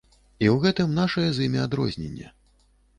І ў гэтым нашае з імі адрозненне.